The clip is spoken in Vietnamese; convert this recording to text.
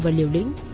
và liều lĩnh